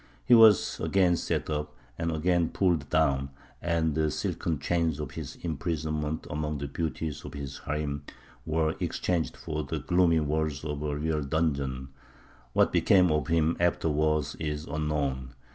He was again set up, and again pulled down; and the silken chains of his imprisonment among the beauties of his harīm were exchanged for the gloomy walls of a real dungeon. What became of him afterwards is unknown.